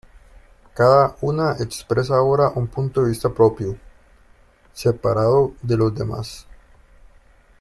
Cada una expresa ahora un punto de vista propio, separado de los demás.